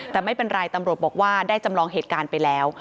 แต่ไม่เป็นไรตำรวจบอกว่าได้จำลองเหตุการณ์ไปแล้ว